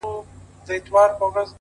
دا ده کوچي ځوانيمرگې نجلۍ تول دی!